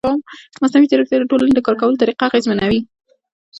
مصنوعي ځیرکتیا د ټولنې د کار کولو طریقه اغېزمنوي.